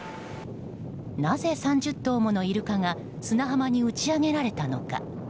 なぜ３０頭ものイルカが砂浜に打ち揚げられたのか。